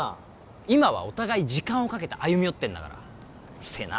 今はお互い時間をかけて歩み寄ってんだからうっせえな